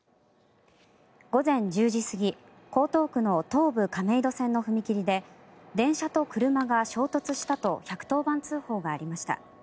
午前１０時過ぎ江東区の東武亀戸線の踏切で電車と車が衝突したと１１０番通報がありました。